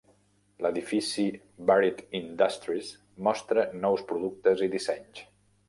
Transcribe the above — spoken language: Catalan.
L"edifici Varied Industries mostra nous productes i dissenys.